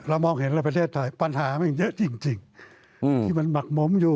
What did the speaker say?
มองเห็นแล้วประเทศไทยปัญหามันเยอะจริงที่มันหมักหมมอยู่